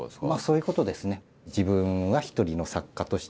そういうことですね。